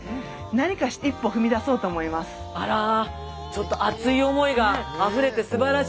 ちょっと熱い思いがあふれてすばらしい。